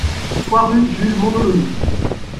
trois rue Jules Mondoloni